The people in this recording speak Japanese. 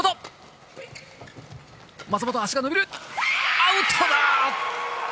アウトだ。